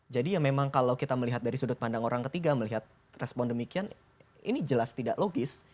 ya memang kalau kita melihat dari sudut pandang orang ketiga melihat respon demikian ini jelas tidak logis